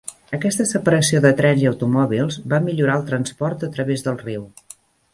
Aquesta separació de trens i automòbils va millorar el transport a través del riu.